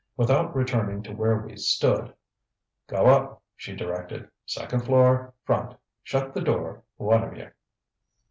Without returning to where we stood: ŌĆ£Go up, ŌĆØ she directed. ŌĆ£Second floor, front. Shut the door, one of yer.